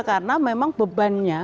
karena memang bebannya